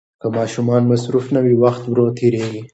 که ماشومان مصروف نه وي، وخت ورو تېریږي.